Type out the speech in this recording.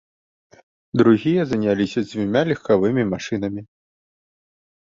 Другія заняліся дзвюма легкавымі машынамі.